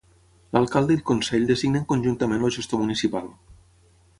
L'alcalde i el consell designen conjuntament el gestor municipal.